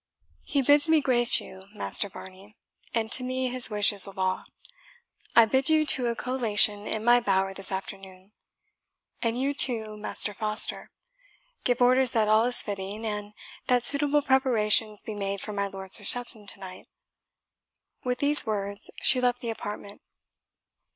He bids me grace you, Master Varney, and to me his wish is a law. I bid you to a collation in my bower this afternoon; and you, too, Master Foster. Give orders that all is fitting, and that suitable preparations be made for my lord's reception to night." With these words she left the apartment.